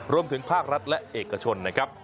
รวมถึงภาครัฐและเอกชนนะครับ